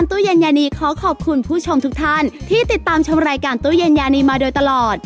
ตู้เย็นยานีขอขอบคุณผู้ชมทุกท่านที่ติดตามชมรายการตู้เย็นยานีมาโดยตลอด